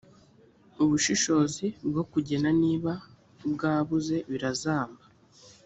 ubushishozi bwo kugena niba bwabuze birazamba